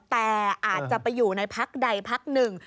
แต่อาจจะไปอยู่ในพักใดพักหนึ่ง